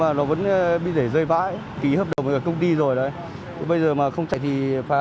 mà nó vẫn bị để rơi vãi ký hợp đồng ở công ty rồi đấy bây giờ mà không chạy thì phải